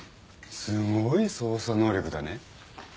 すごい捜査能力だね。